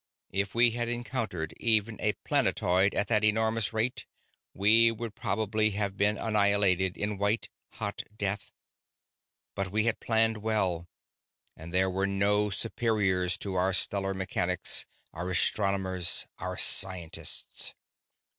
If we had encountered even a planetoid at that enormous rate, we would probably have been annihilated in white hot death. But we had planned well, and there are no superiors to our stellar mechanics, our astronomers, our scientists.